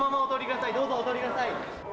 どうぞお通りください。